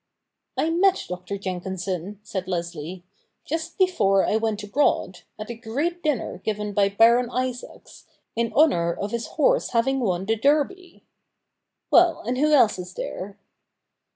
'I met Dr. Jenkinson,' said Leslie, 'just before I went abroad, at a great dinner given by Baron Isaacs, in honour of his horse having won the Derby. Well — and who else is there